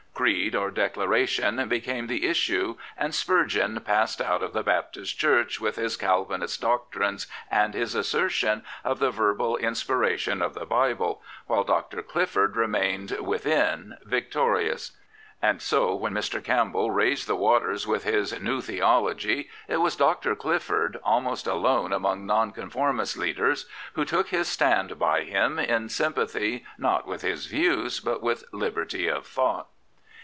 " Creed " or " Declara tion " became the issue, and Spurgeon passed out of the Baptist Church with his Calvinist doctrines and his assertion of the verbal inspiration of the Bible, while Dr. Clifford remained within victorious. And so, when Mr. Campbell raised the waters with his New Theology," it was Dr. Clifford, almost alone *D loi Prophets, Priests, and Kings among Nonconformist leaders, who took his stand by him, in sympathy not with his views, but with liberty of thought.